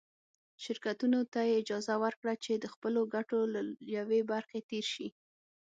شرکتونو ته یې اجازه ورکړه چې د خپلو ګټو له یوې برخې تېر شي.